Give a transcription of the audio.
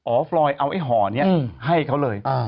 โอฟรอยด์เอาเฮ้อนี้ให้เขาเลย